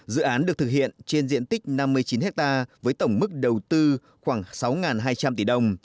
dự án được thực hiện trên diện tích năm mươi chín hectare với tổng mức đầu tư khoảng sáu hai trăm linh tỷ đồng